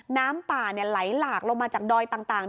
น้ำป่าไหลหลากลงมาจากดอยต่าง